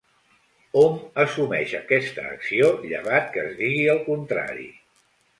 Hom assumeix aquesta acció llevat que es digui el contrari.